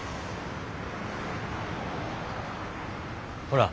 ほら。